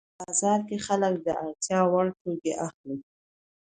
بازار کې خلک د اړتیا وړ توکي اخلي